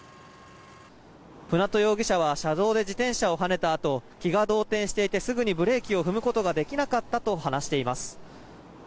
舟渡容疑者は車道で自転車をはねたあと気が動転していてすぐにブレーキを踏むことができなかったと話しています。